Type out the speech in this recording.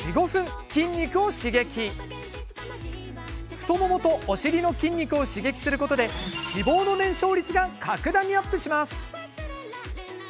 太ももとお尻の筋肉を刺激することで脂肪の燃焼率が格段にアップします。